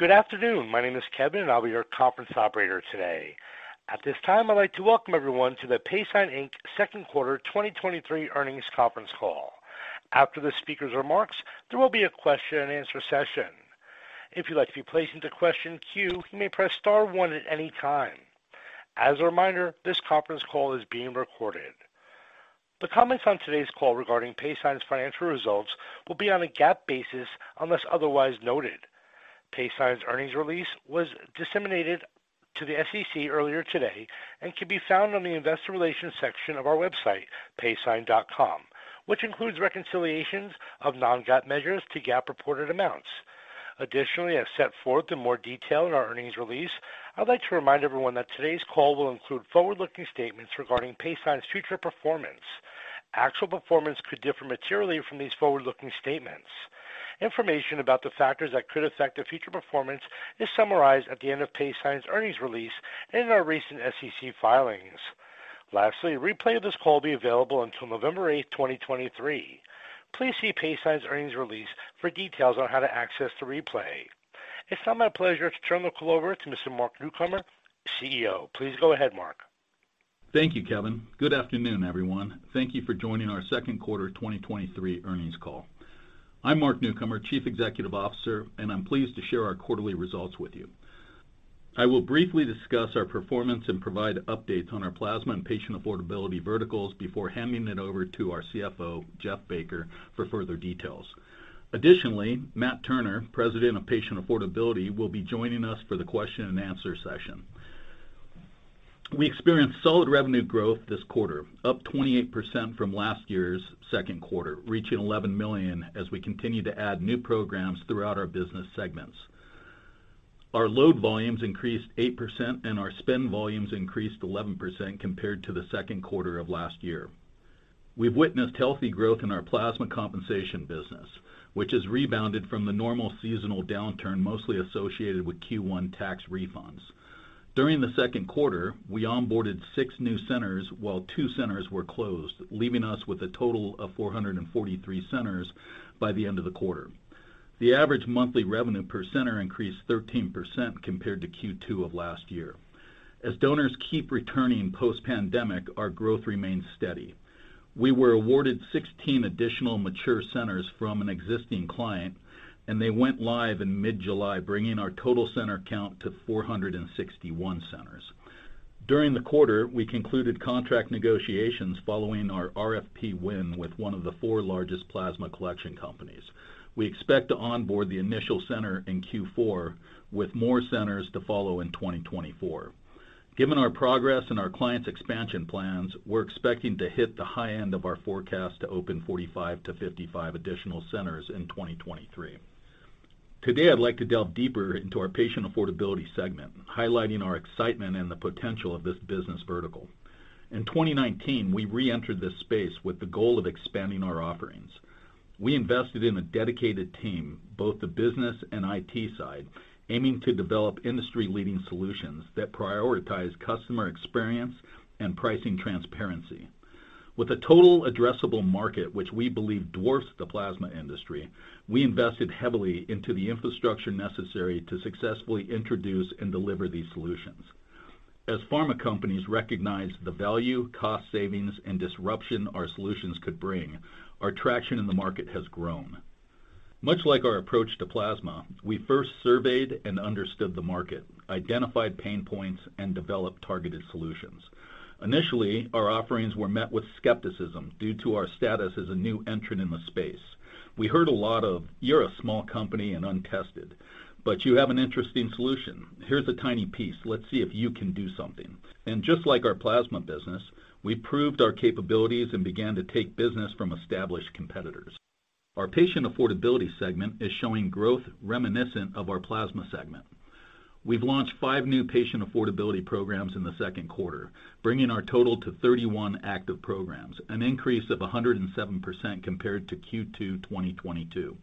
Good afternoon. My name is Kevin, and I'll be your conference operator today. At this time, I'd like to welcome everyone to the PaySign, Inc. Second Quarter 2023 Earnings Conference Call. After the speaker's remarks, there will be a question and answer session. If you'd like to be placed into question queue, you may press star one at any time. As a reminder, this conference call is being recorded. The comments on today's call regarding PaySign's financial results will be on a GAAP basis unless otherwise noted. PaySign's earnings release was disseminated to the SEC earlier today and can be found on the Investor Relations section of our website, paysign.com, which includes reconciliations of non-GAAP measures to GAAP reported amounts. As set forth in more detail in our earnings release, I'd like to remind everyone that today's call will include forward-looking statements regarding PaySign's future performance. Actual performance could differ materially from these forward-looking statements. Information about the factors that could affect the future performance is summarized at the end of PaySign's earnings release and in our recent SEC filings. Lastly, a replay of this call will be available until November eighth, 2023. Please see PaySign's earnings release for details on how to access the replay. It's now my pleasure to turn the call over to Mr. Mark Newcomer, CEO. Please go ahead, Mark. Thank you, Kevin. Good afternoon, everyone. Thank you for joining our second quarter 2023 earnings call. I'm Mark Newcomer, Chief Executive Officer, and I'm pleased to share our quarterly results with you. I will briefly discuss our performance and provide updates on our plasma and patient affordability verticals before handing it over to our CFO, Jeff Baker, for further details. Additionally, Matt Turner, President of Patient Affordability, will be joining us for the question and answer session. We experienced solid revenue growth this quarter, up 28% from last year's second quarter, reaching $11 million as we continue to add new programs throughout our business segments. Our load volumes increased 8% and our spend volumes increased 11% compared to the second quarter of last year. We've witnessed healthy growth in our plasma compensation business, which has rebounded from the normal seasonal downturn, mostly associated with Q1 tax refunds. During the second quarter, we onboarded six new centers while two centers were closed, leaving us with a total of 443 centers by the end of the quarter. The average monthly revenue per center increased 13% compared to Q2 of last year. As donors keep returning post-pandemic, our growth remains steady. We were awarded 16 additional mature centers from an existing client, and they went live in mid-July, bringing our total center count to 461 centers. During the quarter, we concluded contract negotiations following our RFP win with one of the four largest plasma collection companies. We expect to onboard the initial center in Q4, with more centers to follow in 2024. Given our progress and our clients' expansion plans, we're expecting to hit the high end of our forecast to open 45-55 additional centers in 2023. Today, I'd like to delve deeper into our Patient Affordability segment, highlighting our excitement and the potential of this business vertical. In 2019, we reentered this space with the goal of expanding our offerings. We invested in a dedicated team, both the business and IT side, aiming to develop industry-leading solutions that prioritize customer experience and pricing transparency. With a total addressable market, which we believe dwarfs the plasma industry, we invested heavily into the infrastructure necessary to successfully introduce and deliver these solutions. As pharma companies recognize the value, cost savings, and disruption our solutions could bring, our traction in the market has grown. Much like our approach to plasma, we first surveyed and understood the market, identified pain points, and developed targeted solutions. Initially, our offerings were met with skepticism due to our status as a new entrant in the space. We heard a lot of: "You're a small company and untested, but you have an interesting solution. Here's a tiny piece. Let's see if you can do something." Just like our plasma business, we proved our capabilities and began to take business from established competitors. Our patient affordability segment is showing growth reminiscent of our plasma segment. We've launched five new patient affordability programs in the second quarter, bringing our total to 31 active programs, an increase of 107% compared to Q2 2022.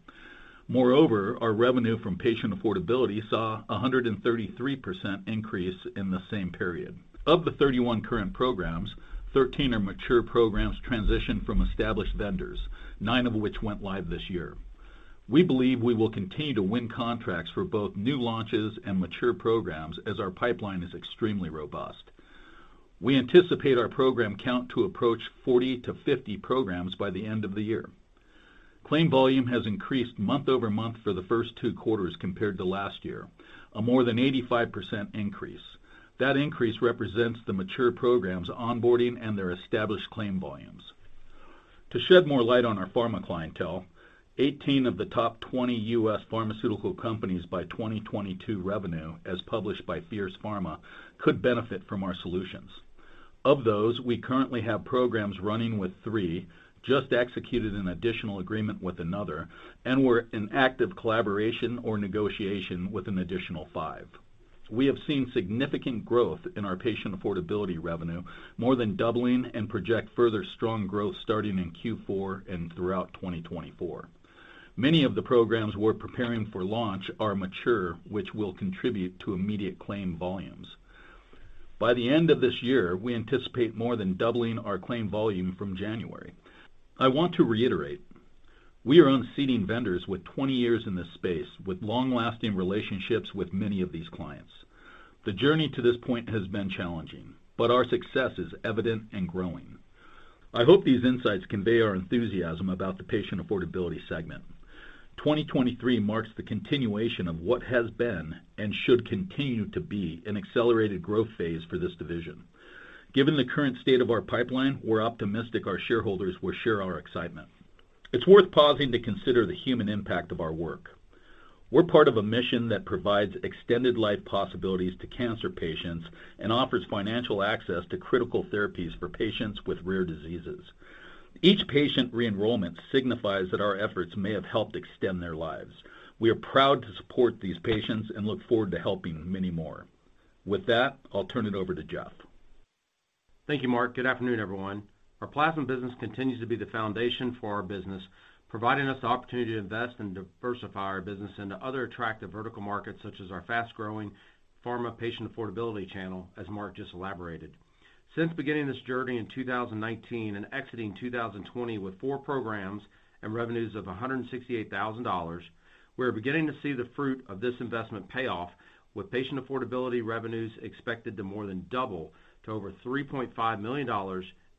Moreover, our revenue from patient affordability saw a 133% increase in the same period. Of the 31 current programs, 13 are mature programs transitioned from established vendors, 9 of which went live this year. We believe we will continue to win contracts for both new launches and mature programs as our pipeline is extremely robust. We anticipate our program count to approach 40 to 50 programs by the end of the year. Claim volume has increased month-over-month for the first 2 quarters compared to last year, a more than 85% increase. That increase represents the mature programs' onboarding and their established claim volumes. To shed more light on our pharma clientele, 18 of the top 20 U.S. pharmaceutical companies by 2022 revenue, as published by Fierce Pharma, could benefit from our solutions. Of those, we currently have programs running with 3, just executed an additional agreement with another, and we're in active collaboration or negotiation with an additional 5. We have seen significant growth in our patient affordability revenue, more than doubling and project further strong growth starting in Q4 and throughout 2024. Many of the programs we're preparing for launch are mature, which will contribute to immediate claim volumes. By the end of this year, we anticipate more than doubling our claim volume from January. I want to reiterate, we are unseating vendors with 20 years in this space, with long-lasting relationships with many of these clients. The journey to this point has been challenging, but our success is evident and growing. I hope these insights convey our enthusiasm about the patient affordability segment. 2023 marks the continuation of what has been, and should continue to be, an accelerated growth phase for this division. Given the current state of our pipeline, we're optimistic our shareholders will share our excitement. It's worth pausing to consider the human impact of our work. We're part of a mission that provides extended life possibilities to cancer patients and offers financial access to critical therapies for patients with rare diseases. Each patient re-enrollment signifies that our efforts may have helped extend their lives. We are proud to support these patients and look forward to helping many more. With that, I'll turn it over to Jeff. Thank you, Mark. Good afternoon, everyone. Our Plasma business continues to be the foundation for our business, providing us the opportunity to invest and diversify our business into other attractive vertical markets, such as our fast-growing Patient Affordability channel, as Mark just elaborated. Since beginning this journey in 2019 and exiting 2020 with four programs and revenues of $168,000, we are beginning to see the fruit of this investment pay off, with Patient Affordability revenues expected to more than double to over $3.5 million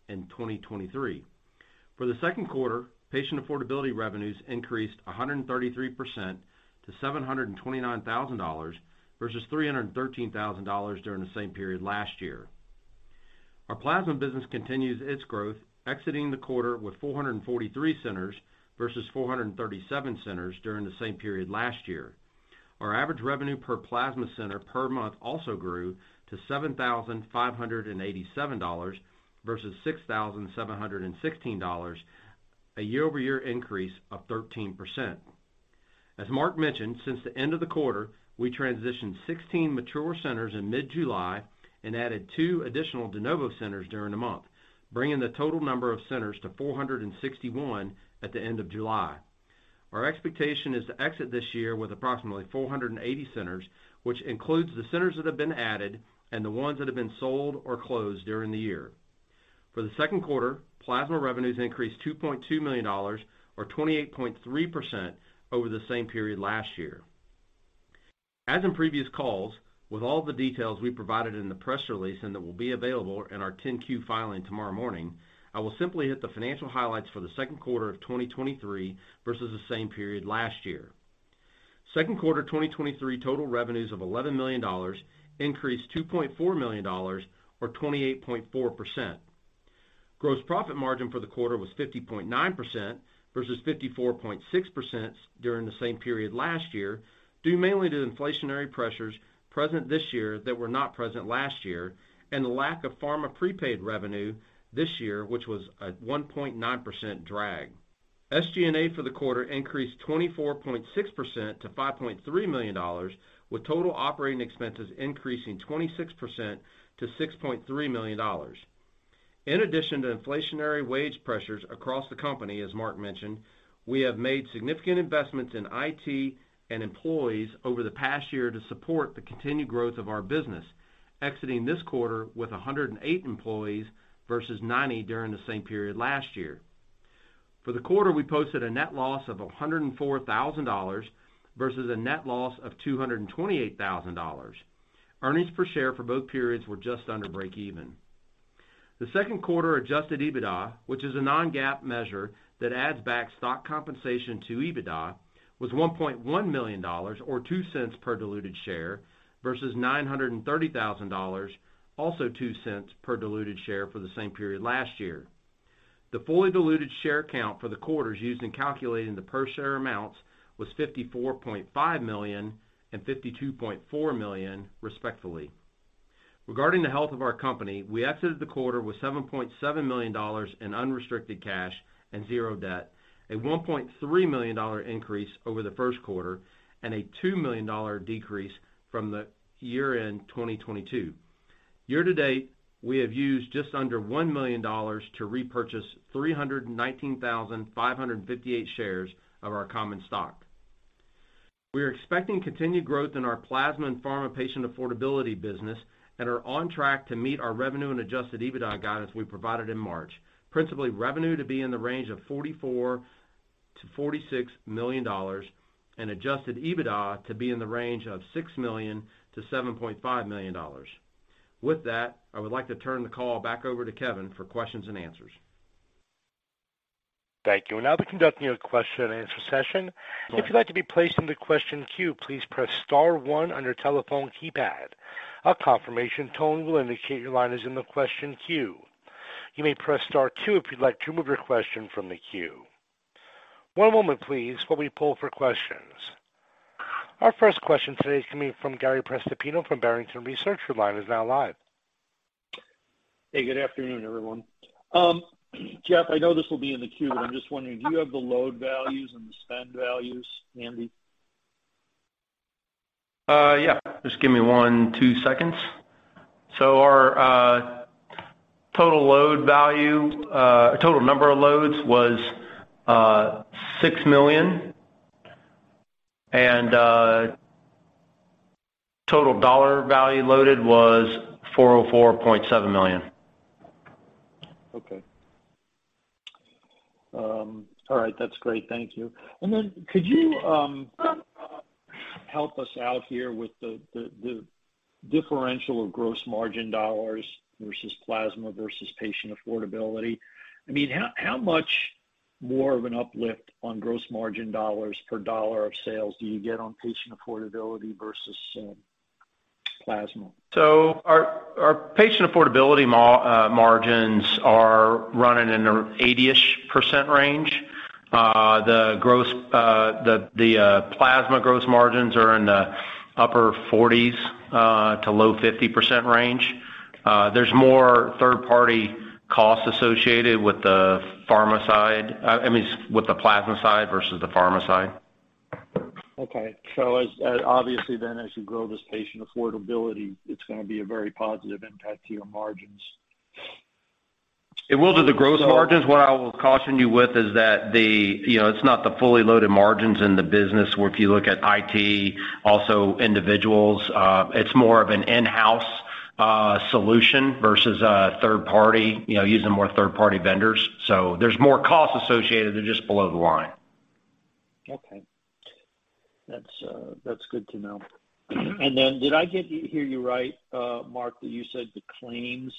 in 2023. For the second quarter, Patient Affordability revenues increased 133% to $729,000, versus $313,000 during the same period last year. Our Plasma business continues its growth, exiting the quarter with 443 centers versus 437 centers during the same period last year. Our average revenue per plasma center per month also grew to $7,587 versus $6,716, a year-over-year increase of 13%. As Mark mentioned, since the end of the quarter, we transitioned 16 mature centers in mid-July and added two additional de novo centers during the month, bringing the total number of centers to 461 at the end of July. Our expectation is to exit this year with approximately 480 centers, which includes the centers that have been added and the ones that have been sold or closed during the year. For the 2Q, plasma revenues increased $2.2 million or 28.3% over the same period last year. As in previous calls, with all the details we provided in the press release and that will be available in our 10-Q filing tomorrow morning, I will simply hit the financial highlights for the 2Q of 2023 versus the same period last year. 2Q 2023, total revenues of $11 million increased $2.4 million, or 28.4%. Gross profit margin for the quarter was 50.9% versus 54.6% during the same period last year, due mainly to inflationary pressures present this year that were not present last year, and the lack of pharma prepaid revenue this year, which was a 1.9% drag. SG&A for the quarter increased 24.6% to $5.3 million, with total operating expenses increasing 26% to $6.3 million. In addition to inflationary wage pressures across the company, as Mark mentioned, we have made significant investments in IT and employees over the past year to support the continued growth of our business, exiting this quarter with 108 employees versus 90 during the same period last year. For the quarter, we posted a net loss of $104,000 versus a net loss of $228,000. Earnings per share for both periods were just under breakeven. The second quarter Adjusted EBITDA, which is a non-GAAP measure that adds back stock compensation to EBITDA, was $1.1 million or $0.02 per diluted share, versus $930,000, also $0.02 per diluted share for the same period last year. The fully diluted share count for the quarters used in calculating the per share amounts was 54.5 million and 52.4 million, respectively. Regarding the health of our company, we exited the quarter with $7.7 million in unrestricted cash and 0 debt, a $1.3 million increase over the first quarter and a $2 million decrease from the year-end 2022. Year to date, we have used just under $1 million to repurchase 319,558 shares of our common stock. We are expecting continued growth in our Plasma and Pharma patient affordability business and are on track to meet our revenue and Adjusted EBITDA guidance we provided in March. Principally, revenue to be in the range of $44 million-$46 million, and Adjusted EBITDA to be in the range of $6 million-$7.5 million. With that, I would like to turn the call back over to Kevin for questions and answers. Thank you. We're now conducting a question and answer session. If you'd like to be placed in the question queue, please press star one on your telephone keypad. A confirmation tone will indicate your line is in the question queue. You may press star two if you'd like to remove your question from the queue. One moment, please, while we pull for questions. Our first question today is coming from Gary Prestopino from Barrington Research. Your line is now live. Hey, good afternoon, everyone. Jeff, I know this will be in the queue. I'm just wondering, do you have the load values and the spend values handy? Just give me one, two seconds. Our total load value, total number of loads was $6 million. Total dollar value loaded was $404.7 million. Okay. all right, that's great. Thank you. Could you help us out here with the, the, the differential of gross margin dollars versus plasma versus patient affordability? I mean, how, how much more of an uplift on gross margin dollars per dollar of sales do you get on patient affordability versus plasma? Our, our patient affordability margins are running in the 80-ish% range. The gross plasma gross margins are in the upper 40s to low 50% range. There's more third-party costs associated with the pharma side, I mean, with the plasma side versus the pharma side. Okay. As, obviously, then, as you grow this patient affordability, it's gonna be a very positive impact to your margins. It will to the gross margins. What I will caution you with is that the, you know, it's not the fully loaded margins in the business, where if you look at IT, also individuals, it's more of an in-house solution versus a third party, you know, using more third-party vendors. There's more costs associated than just below the line. Okay. That's good to know. Did I hear you right, Mark, that you said the claims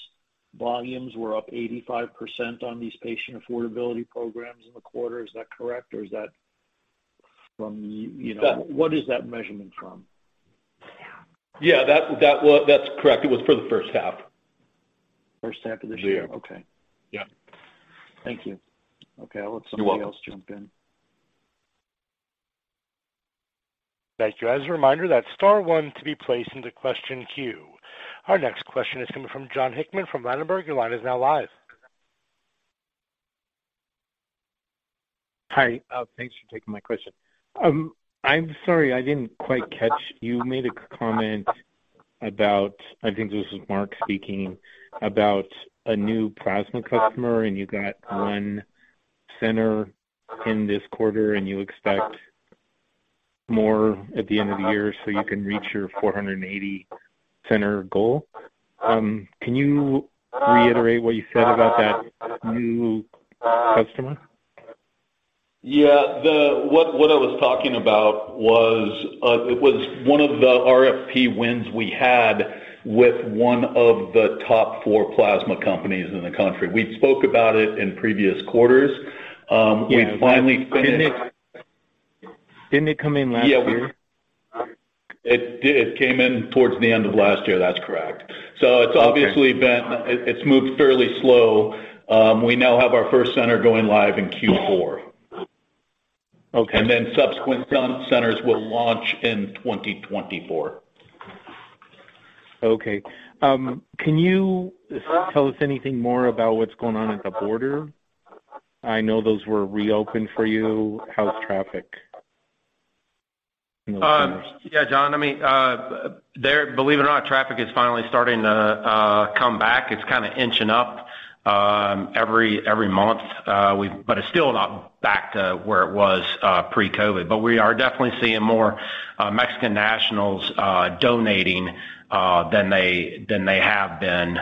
volumes were up 85% on these patient affordability programs in the quarter? Is that correct, or is that from u- That- You know, what is that measurement from? Yeah, that's correct. It was for the first half. First half of this year? Yeah. Okay. Yeah. Thank you. Okay, I'll let- You're welcome. Somebody else jump in. Thank you. As a reminder, that's star 1 to be placed into question queue. Our next question is coming from Jon Hickman from Ladenburg Thalmann. Your line is now live. Hi, thanks for taking my question. I'm sorry, I didn't quite catch. You made a comment about, I think this is Mark speaking, about a new plasma customer, and you got one center in this quarter, and you expect more at the end of the year, so you can reach your 480 center goal. Can you reiterate what you said about that new customer? Yeah, what I was talking about was, it was one of the RFP wins we had with one of the top four plasma companies in the country. We've spoke about it in previous quarters. We finally- Yeah, didn't it, didn't it come in last year? Yeah, it did. It came in towards the end of last year. That's correct. Okay. It's moved fairly slow. We now have our first center going live in Q4. Okay. Then subsequent centers will launch in 2024. Okay. Can you tell us anything more about what's going on at the border? I know those were reopened for you. How's traffic? Yeah, Jon, I mean, there, believe it or not, traffic is finally starting to come back. It's kind of inching up every, every month. It's still not back to where it was pre-COVID. We are definitely seeing more Mexican nationals donating than they, than they have been.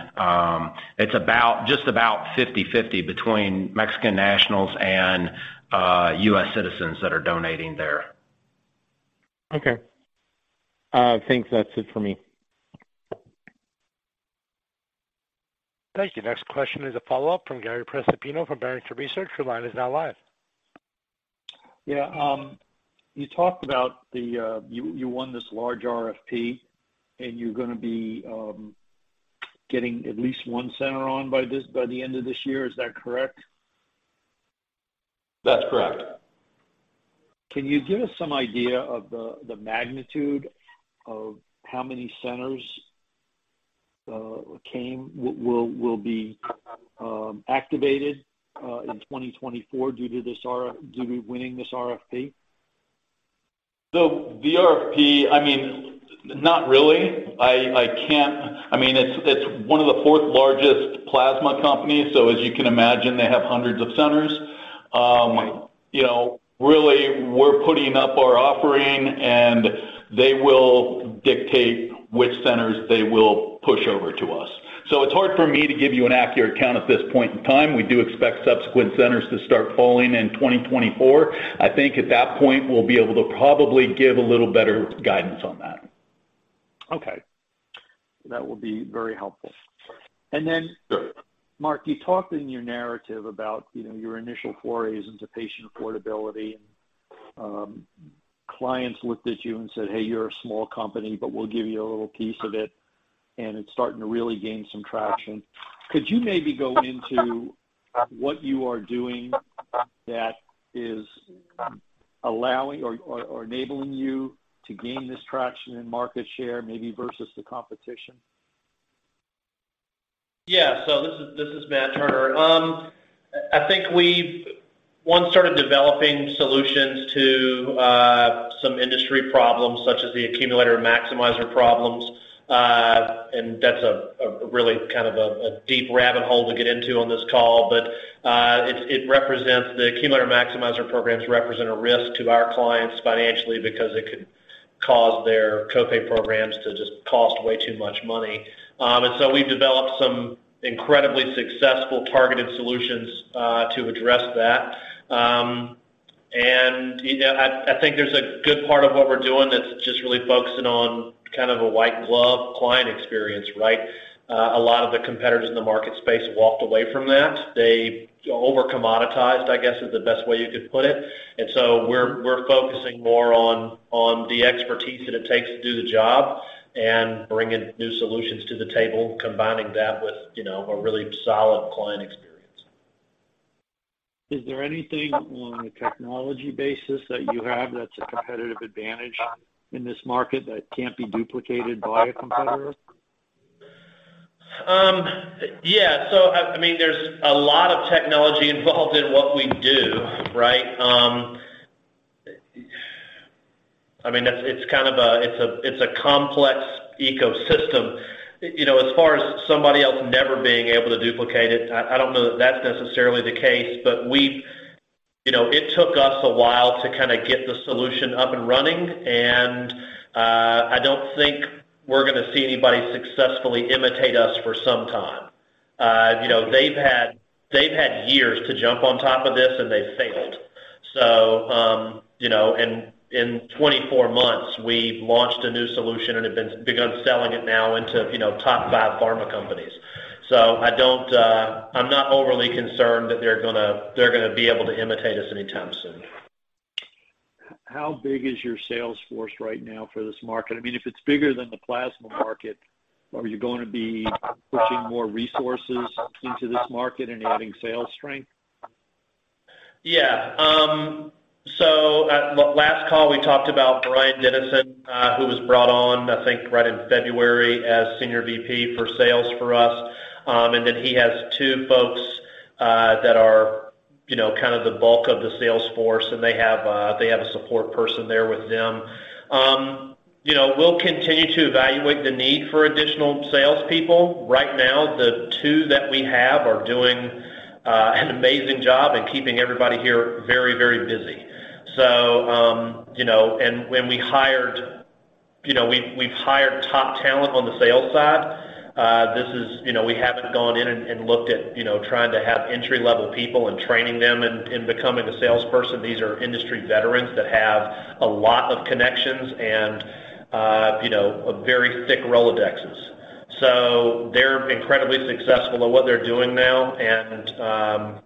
It's about, just about 50/50 between Mexican nationals and U.S. citizens that are donating there. Okay. Thanks. That's it for me. Thank you. Next question is a follow-up from Gary Prestopino from Barrington Research. Your line is now live. Yeah, you talked about the, you, you won this large RFP, and you're gonna be getting at least one center on by the end of this year. Is that correct? That's correct. Can you give us some idea of the, the magnitude of how many centers, came, will, will be, activated, in 2024 due to winning this RFP? The RFP, I mean, not really. I mean, it's, it's one of the fourth largest plasma companies, so as you can imagine, they have hundreds of centers. You know, really, we're putting up our offering, and they will dictate which centers they will push over to us. It's hard for me to give you an accurate count at this point in time. We do expect subsequent centers to start falling in 2024. I think at that point, we'll be able to probably give a little better guidance on that. Okay. That will be very helpful. Sure. Then, Mark, you talked in your narrative about, you know, your initial forays into patient affordability, and clients looked at you and said, "Hey, you're a small company, but we'll give you a little piece of it," and it's starting to really gain some traction. Could you maybe go into what you are doing that is allowing or enabling you to gain this traction and market share, maybe versus the competition? Yeah. This is Matt Turner. I think we've-- one, started developing solutions to some industry problems, such as the accumulator and maximizer problems. That's a really kind of a, a deep rabbit hole to get into on this call, but it represents the copay maximizer programs represent a risk to our clients financially, because it could cause their copay programs to just cost way too much money. So we've developed some incredibly successful targeted solutions to address that. You know, I think there's a good part of what we're doing that's just really focusing on kind of a white glove client experience, right? A lot of the competitors in the market space walked away from that. They over commoditized, I guess, is the best way you could put it. We're focusing more on the expertise that it takes to do the job and bringing new solutions to the table, combining that with, you know, a really solid client experience. Is there anything on a technology basis that you have that's a competitive advantage in this market that can't be duplicated by a competitor? Yeah, so, I mean, there's a lot of technology involved in what we do, right? I mean, that's it's kind of a, it's a, it's a complex ecosystem. You know, as far as somebody else never being able to duplicate it, I, I don't know that that's necessarily the case, but we've... You know, it took us a while to kinda get the solution up and running, and, I don't think we're gonna see anybody successfully imitate us for some time. You know, they've had, they've had years to jump on top of this, and they've failed. You know, in 24 months, we've launched a new solution and have begun selling it now into, you know, top 5 pharma companies. I don't, I'm not overly concerned that they're gonna, they're gonna be able to imitate us anytime soon. How big is your sales force right now for this market? I mean, if it's bigger than the plasma market, are you going to be pushing more resources into this market and adding sales strength? Yeah. Last call, we talked about Bryan Denison, who was brought on, I think, right in February as Senior VP for sales for us. He has two folks that are, you know, kind of the bulk of the sales force, and they have, they have a support person there with them. You know, we'll continue to evaluate the need for additional salespeople. Right now, the two that we have are doing an amazing job and keeping everybody here very, very busy. You know, and when we hired... You know, we've hired top talent on the sales side. This is, you know, we haven't gone in and, and looked at, you know, trying to have entry-level people and training them in becoming a salesperson. These are industry veterans that have a lot of connections and, you know, a very thick Rolodexes. They're incredibly successful at what they're doing now, and,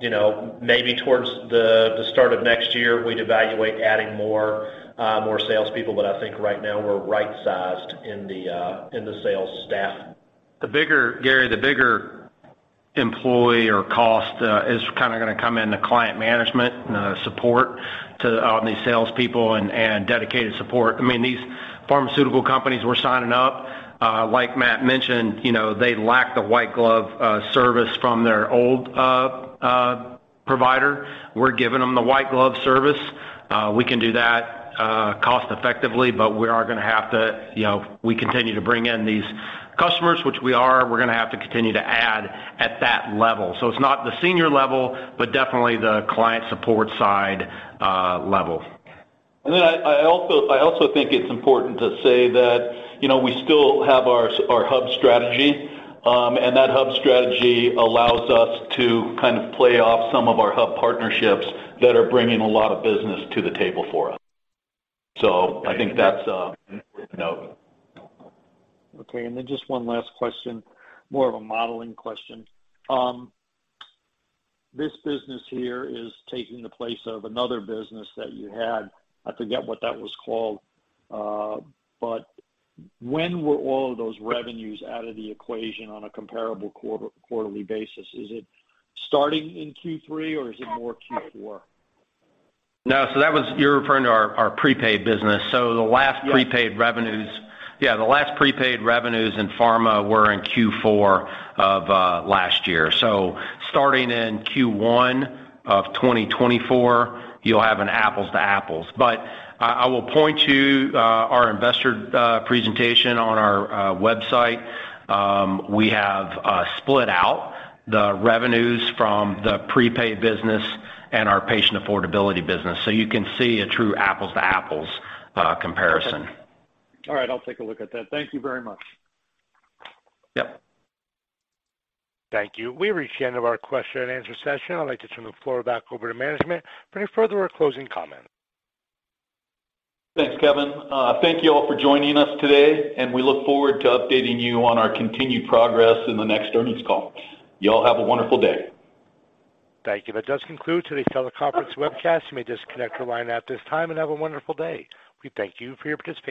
you know, maybe towards the start of next year, we'd evaluate adding more salespeople, but I think right now we're right-sized in the sales staff. The bigger, Gary, the bigger employee or cost, is kinda gonna come in the client management, support to, these salespeople and, and dedicated support. I mean, these pharmaceutical companies we're signing up, like Matt mentioned, you know, they lack the white glove, service from their old, provider. We're giving them the white glove service. We can do that, cost-effectively, but we are gonna have to, you know, we continue to bring in these customers, which we are, we're gonna have to continue to add at that level. It's not the senior level, but definitely the client support side, level. I also think it's important to say that, you know, we still have our hub strategy. That hub strategy allows us to kind of play off some of our hub partnerships that are bringing a lot of business to the table for us. I think that's a note. Then just 1 last question, more of a modeling question. This business here is taking the place of another business that you had. I forget what that was called, but when were all of those revenues out of the equation on a comparable quarterly basis? Is it starting in Q3, or is it more Q4? No, that was. You're referring to our prepaid business? Yes. The last prepaid revenues, Yeah, the last prepaid revenues in pharma were in Q4 of last year. Starting in Q1 of 2024, you'll have an apples to apples. I, I will point to our investor presentation on our website. We have split out the revenues from the prepaid business and our patient affordability business, so you can see a true apples-to-apples comparison. All right, I'll take a look at that. Thank you very much. Yep. Thank you. We've reached the end of our question and answer session. I'd like to turn the floor back over to management for any further or closing comments. Thanks, Kevin. Thank you all for joining us today. We look forward to updating you on our continued progress in the next earnings call. You all have a wonderful day. Thank you. That does conclude today's teleconference webcast. You may disconnect your line at this time and have a wonderful day. We thank you for your participation.